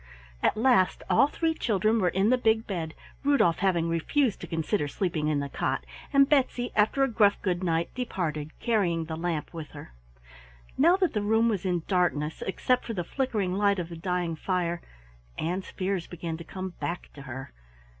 At last all three children were in the big bed, Rudolf having refused to consider sleeping in the cot, and Betsy, after a gruff good night, departed, carrying the lamp with her. Now that the room was in darkness except for the flickering light of the dying fire, Ann's fears began to come back to her.